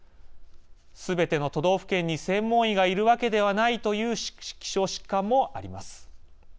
すべての都道府県に専門医がいるわけではないという希少疾患もあります。